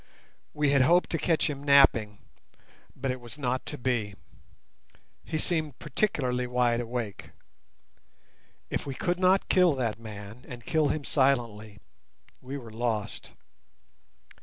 We had hoped to catch him napping, but it was not to be. He seemed particularly wide awake. If we could not kill that man, and kill him silently, we were lost.